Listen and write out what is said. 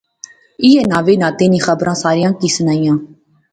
ایہہ ناوے ناطے نی خبر ساریاں کی سنائی